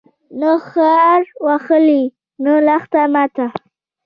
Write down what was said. نه خر وهلی، نه لښته ماته